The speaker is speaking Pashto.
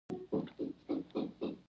د پکتیا په سید کرم کې څه شی شته؟